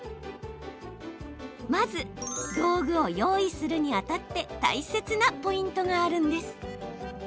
まず、道具を用意するにあたって大切なポイントがあるんです。